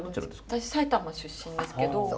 私埼玉出身ですけど。